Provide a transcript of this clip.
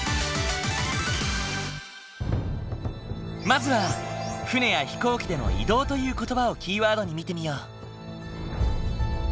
まずは船や飛行機での移動という言葉をキーワードに見てみよう。